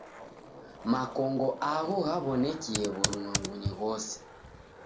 Makongo agho ghaw'onekie w'urumwengunyi ghose.